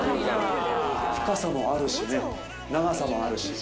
深さもあるしね、長さもあるし。